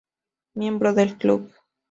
Miembro del club.